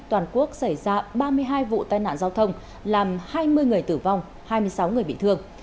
toàn quốc xảy ra ba mươi hai vụ tai nạn giao thông làm hai mươi người tử vong hai mươi sáu người bị thương